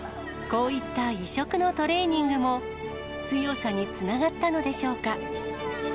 こういった異色のトレーニングも、強さにつながったのでしょうか。